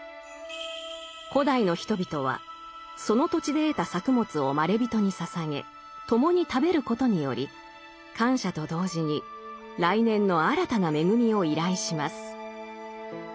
古代の人々はその土地で得た作物をまれびとに捧げ共に食べることにより感謝と同時に来年の新たな恵みを依頼します。